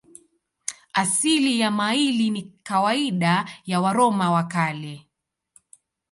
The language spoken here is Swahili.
Asili ya maili ni kawaida ya Waroma wa Kale.